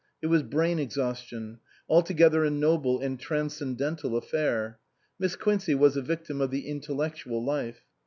It was brain exhaustion ; altogether a noble and transcendental affair ; Miss Quincey was a victim of the intellectual life.